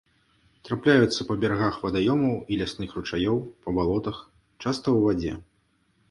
Трапляюцца па берагах вадаёмаў і лясных ручаёў, па балотах, часта ў вадзе.